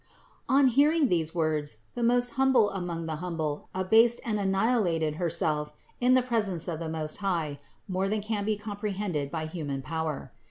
70 CITY OF GOD 73. On hearing these words the most Humble among the humble abased and annihilated Herself in the pres ence of the Most High more than can be comprehended by human power.